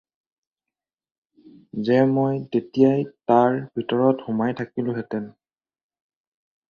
যে মই তেতিয়াই তাৰ ভিতৰত সোমাই থাকিলোঁ হেতেন